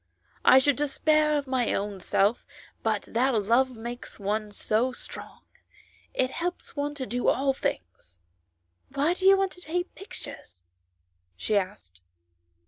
" I should despair of my own self, but that love makes one so strong ; it helps one to do all things." " Why do you want to paint pictures ?" she asked.